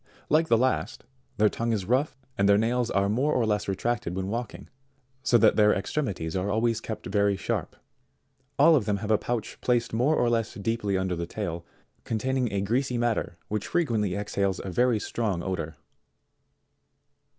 Like the last, their tongue is rough, and their nails are more or less retracted when walking, so that their ex tremities are always kept very sharp. All of them have a pouch placed more or less deeply under the tail, containing a greasy matter which frequently exhales a very strong odour.